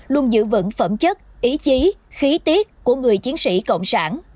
luôn giữ vững phẩm chất ý chí khí tiết của người chiến sĩ cộng sản